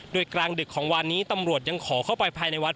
โดยกลางดึกของวานนี้ตำรวจยังขอเข้าไปภายในวัด